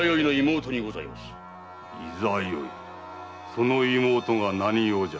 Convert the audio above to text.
その妹が何用じゃ。